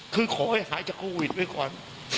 คือขอให้หายจากโควิดไว้ก่อน